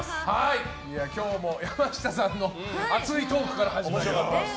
今日も山下さんの熱いトークから始まって。